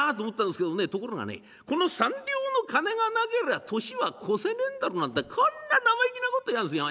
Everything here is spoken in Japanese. ところがねこの三両の金がなけりゃ年は越せねえんだろなんてこんな生意気なこと言いやがんすよ。